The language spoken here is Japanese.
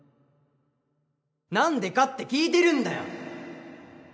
なんでかって聞いてるんだよ！